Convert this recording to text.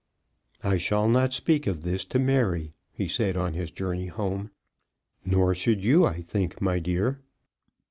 "I shall not speak of this to Mary," he said on his journey home. "Nor should you, I think, my dear."